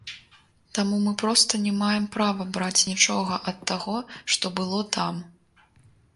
Таму мы проста не маем права браць нічога ад таго, што было там.